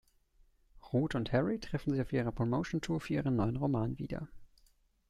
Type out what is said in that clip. Ruth und Harry treffen sich auf ihrer Promotiontour für ihren neuen Roman wieder.